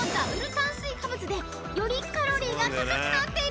炭水化物でよりカロリーが高くなっているんです］